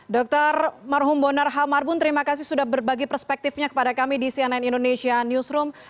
dr marhum bonar hamarbun terima kasih sudah berbagi perspektifnya kepada kami di cnn indonesia newsroom